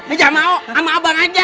eh jangan mau sama abang aja